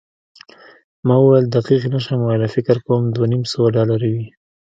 ما وویل، دقیق نه شم ویلای، فکر کوم دوه نیم سوه ډالره وي.